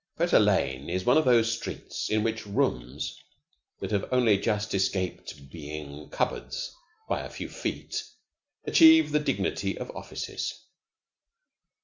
Fetter Lane is one of those streets in which rooms that have only just escaped being cupboards by a few feet achieve the dignity of offices.